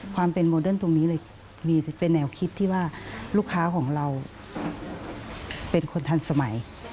ความเป็นโมเดิร์นตรงนี้เลยมีเป็นแนวคิดที่ว่าลูกค้าของเราเป็นคนทันสมัย